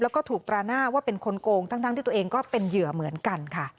แล้วก็ถูกตราหน้าว่าเป็นคนโกงทั้งที่ตัวเองก็เป็นเหยื่อเหมือนกันค่ะ